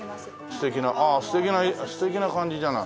素敵なああ素敵な感じじゃない。